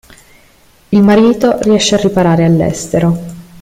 Il marito riesce a riparare all'estero.